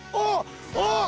あっ！